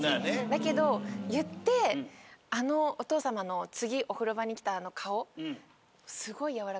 だけど言ってあのおとう様の次お風呂場に来たあの顔ああ。